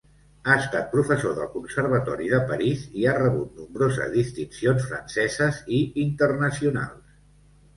Ha estat professor del Conservatori de París i ha rebut nombroses distincions franceses i internacionals.